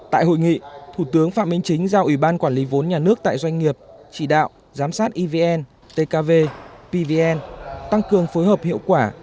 tại hội nghị thủ tướng phạm minh chính giao ủy ban quản lý vốn nhà nước tại doanh nghiệp chỉ đạo giám sát evn tkv pvn tăng cường phối hợp hiệu quả